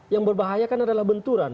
yang berbahaya kan adalah benturan